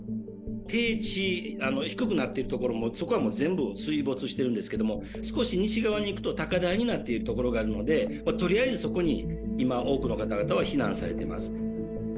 低地、低くなっている所も、そこはもう全部水没してるんですけれども、少し西側に行くと高台になっている所があるので、とりあえずそこに今、多くの方々は避難されています。